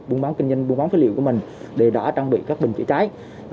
buôn bán kinh doanh buôn bán phế liệu của mình đều đã trang bị các bình chữa cháy